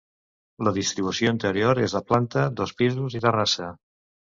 La distribució interior és de planta, dos pisos i terrassa.